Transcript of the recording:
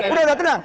udah udah tenang